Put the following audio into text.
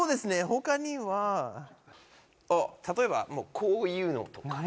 他には例えばこういうのとか何？